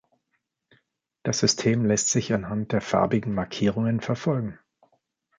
Das System lässt sich anhand der farbigen Markierungen verfolgen.